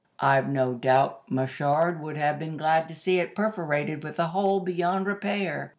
I've no doubt Machard would have been glad to see it perforated with a hole beyond repair.